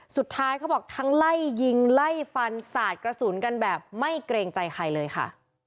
เขาบอกทั้งไล่ยิงไล่ฟันสาดกระสุนกันแบบไม่เกรงใจใครเลยค่ะ